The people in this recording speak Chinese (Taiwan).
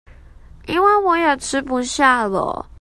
因為我也吃不下了